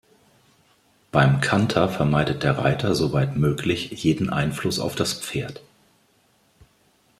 Beim Kanter vermeidet der Reiter soweit möglich jeden Einfluss auf das Pferd.